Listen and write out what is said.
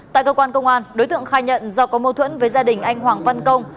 tại cơ quan công an đối tượng khai nhận do có mâu thuẫn với gia đình anh hoàng văn công